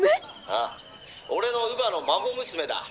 「ああ俺の乳母の孫娘だ。